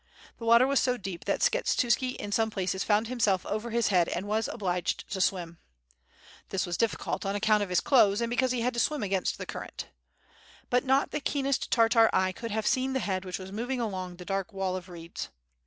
The water was so deep that Skshetuski in some places found himself over his head and was obliged to swim. This was difficult on account of his clothes and because he had to swim against the current. But not the keenest Tartar eye could have seen the h?ad which was moving along the dark wall of reeds.